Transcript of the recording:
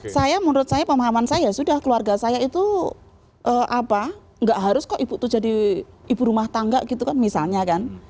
saya menurut saya pemahaman saya sudah keluarga saya itu apa nggak harus kok ibu itu jadi ibu rumah tangga gitu kan misalnya kan